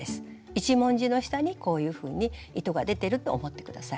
一文字の下にこういうふうに糸が出てると思って下さい。